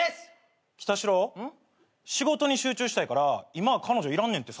きたしろ仕事に集中したいから今は彼女いらんねんてさ。